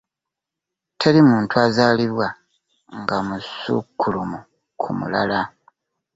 Teri muntu azalibwa nga musukulumu ku mulala.